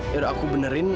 ya udah aku benerin